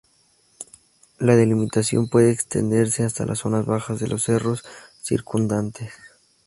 La delimitación puede extenderse hasta las zonas bajas de los cerros circundantes.